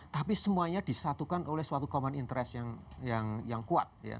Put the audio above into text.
tapi semuanya disatukan oleh suatu common interest yang kuat